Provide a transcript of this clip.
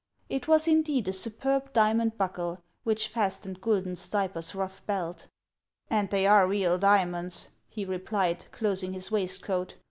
" It was indeed a superb diamond buckle, which fastened Guidon Stayper's rough belt. " And they are real diamonds," he replied^ closing his waistcoat.